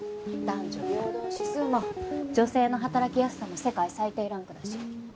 男女平等指数も女性の働きやすさも世界最低ランクだし。